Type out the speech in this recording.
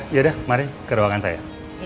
yaudah mari ke ruangan saya